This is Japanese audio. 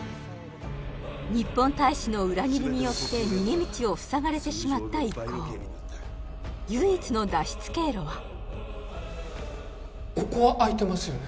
日本大使の裏切りによって逃げ道を塞がれてしまった一行はここは空いてますよね？